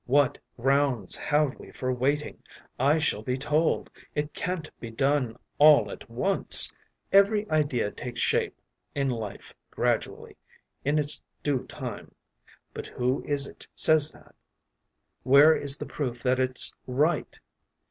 What grounds have we for waiting? I shall be told, it can’t be done all at once; every idea takes shape in life gradually, in its due time. But who is it says that? Where is the proof that it’s right?